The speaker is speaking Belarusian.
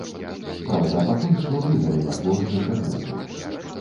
Праўда, пакуль што выдаліла твор з інтэрнэту.